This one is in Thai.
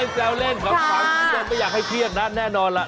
แซวเล่นขำคุณผู้ชมไม่อยากให้เครียดนะแน่นอนล่ะ